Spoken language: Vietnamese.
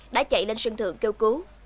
đã chạy lên sân thượng kêu cứu